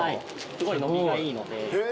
すごい伸びがいいので。